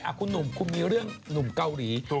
คุณหนุ่มคุณมีเรื่องหนุ่มเกาหลี